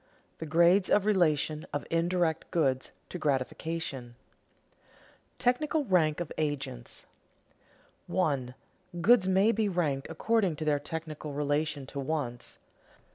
THE GRADES OF RELATION OF INDIRECT GOODS TO GRATIFICATION [Sidenote: Technical rank of agents] 1. _Goods may be ranked according to their technical relation to wants.